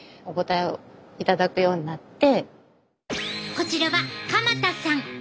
こちらは鎌田さん。